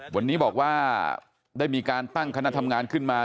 วันนี้บอกว่าได้มีการตั้งคณะทำงานขึ้นมา